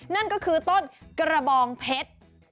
นั่นก็คือต้นกระบองเพชร